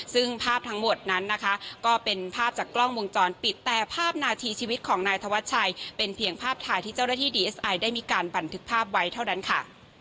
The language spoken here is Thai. ซึ่งภาพทั้งหมดนั้นนะคะก็เป็นภาพจากกล้องวงจรปิดแต่ภาพนาทีชีวิตของนายธวัชชัยเป็นเพียงภาพถ่ายที่เจ้าหน้าที่ดีเอสไอได้มีการบันทึกภาพไว้เท่านั้นค่ะ